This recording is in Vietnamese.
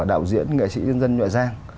đạo diễn nghệ sĩ dân dân nhoại giang